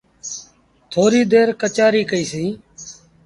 ٿوريٚ دير ڪچهريٚ ڪئيٚ سيٚݩ۔